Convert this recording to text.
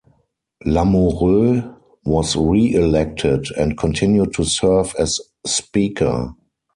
Lamoureux was re-elected and continued to serve as Speaker.